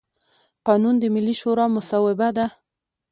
قانون د ملي شورا مصوبه ده.